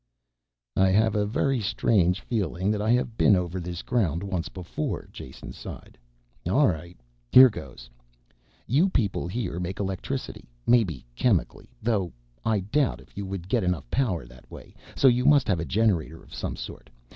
"I have a very strange feeling that I have been over this ground once before," Jason sighed. "All right, here goes. You people here make electricity, maybe chemically, though I doubt if you would get enough power that way, so you must have a generator of some sort.